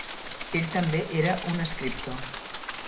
Ell també era un escriptor.